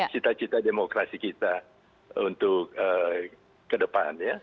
cita cita demokrasi kita untuk ke depan ya